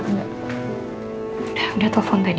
udah udah telfon tadi